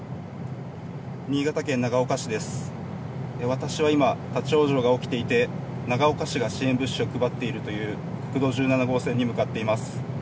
私は今、立往生が起きていて、長岡市が支援物資を配っているという国道１７号線に向かっています。